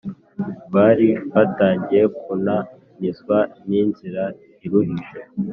bari batangiye kunanizwa n’inzira iruhije